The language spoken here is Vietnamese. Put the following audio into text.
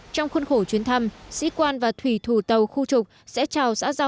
trong khuôn khổ chuyến thăm sĩ quan và thủy thủ tàu khu trục sẽ chào xã giao